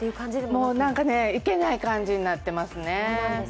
もう行けない感じになってますね。